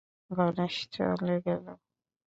গণেশ চলে গেল।